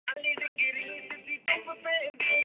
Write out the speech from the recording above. آج کل میں استاد محترم الطاف حسن قریشی کے انٹرویوز پر